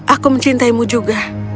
aku mencintaimu juga